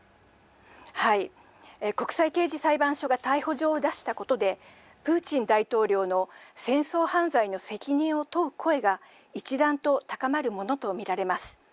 国際刑事裁判所が逮捕状を出したことで、プーチン大統領の戦争犯罪の責任を問う声が一段と高まるものと見られます。